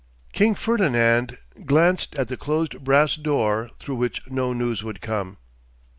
King Ferdinand glanced at the closed brass door through which no news would come.